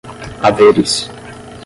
haveres